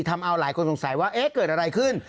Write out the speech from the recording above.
ทำเอาหลายคนสงสัยว่าเอ๊ะเกิดอะไรขึ้น